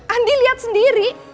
andi lihat sendiri